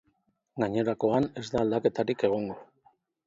Gainerakoan ez da aldaketarik egongo.